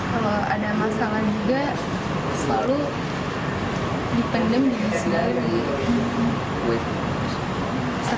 kalau ada masalah juga selalu dipendem di bisnari